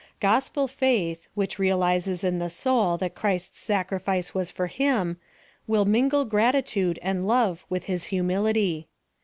Gospel faith, which realizes in the soul that Christ's sacrifice was for him, will mingle gratitude and love with his humility.